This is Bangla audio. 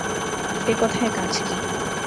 সে কথায় কাজ কী।